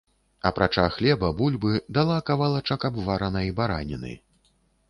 Апрача хлеба, бульбы, дала кавалачак абваранай бараніны.